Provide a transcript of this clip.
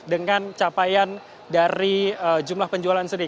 dengan capaian dari jumlah penjualan sendiri